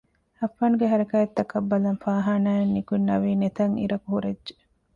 އައްފާންގެ ހަރަކާތްތަކަށް ބަލަން ފާހާނާއިން ނިކުތް ނަވީން އެތަށް އިރަކު ހުރެއްޖެ